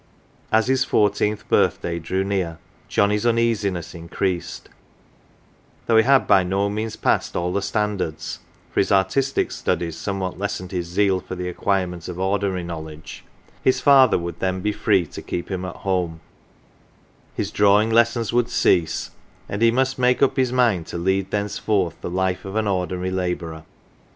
As his fourteenth birthday drew near, Johnnie's uneasiness increased ; though he had by no means passed all the standards (for his artistic studies somewhat lessened his zeal for the acquirement of ordinary knowledge), his father would then be free to 57 keep him at home, his drawing lessons would cease, and he must make up his mind to lead thenceforth the life of an ordinary la bourer.